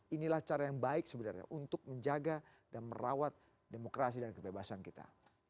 inilah cara yang baik sebenarnya untuk menjaga dan merawat demokrasi dan kebebasan kita